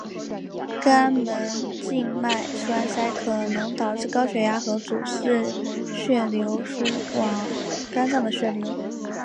肝门静脉栓塞可能导致高血压和阻滞血流输往肝脏的血流。